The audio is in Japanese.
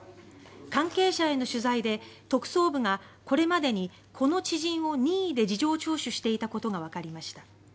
関係者への取材で特捜部がこれまでにこの知人を任意で事情聴取していたことがわかりました。